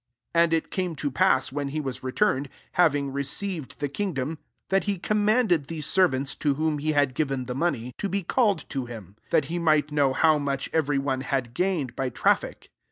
15 ^^ And it came to pass, whea he was returned, having re ceived the kingdom, that he commanded these servants, to whom he had given the money, to be called to him; that he might know how much every one had gained by traffic.